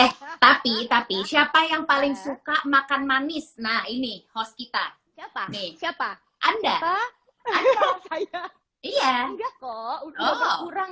eh tapi tapi siapa yang paling suka makan manis nah ini host kita siapa siapa anda